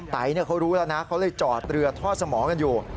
ไตเขารู้แล้วนะเขาเลยจอดเรือทอดสมองกันอยู่